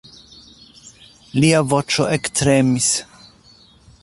Lia voĉo ektremis.